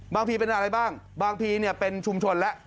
บางทีเป็นอะไรบ้างบางทีเป็นชุมชนแล้ว